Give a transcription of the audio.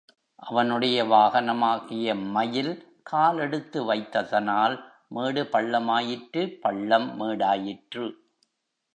அவனுடைய வாகனமாகிய மயில் கால் எடுத்து வைத்தனால் மேடு பள்ளமாயிற்று பள்ளம் மேடாயிற்று.